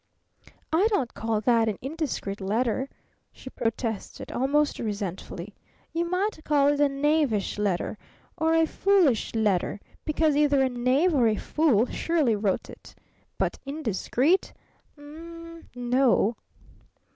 "I don't call that an 'indiscreet letter'!" she protested almost resentfully. "You might call it a knavish letter. Or a foolish letter. Because either a knave or a fool surely wrote it! But 'indiscreet'? U m m, No!"